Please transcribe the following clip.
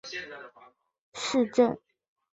阿马迪纳是巴西巴伊亚州的一个市镇。